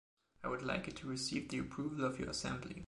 I would like it to receive the approval of your assembly.